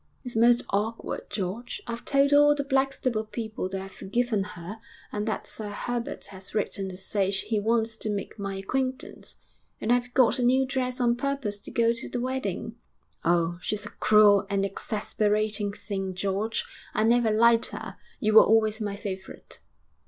'It's most awkward, George. I've told all the Blackstable people that I've forgiven her and that Sir Herbert has written to say he wants to make my acquaintance. And I've got a new dress on purpose to go to the wedding. Oh! she's a cruel and exasperating thing, George; I never liked her. You were always my favourite.'